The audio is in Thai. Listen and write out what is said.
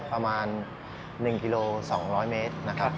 ประมาณ๑กิโล๒๐๐เมตรนะครับ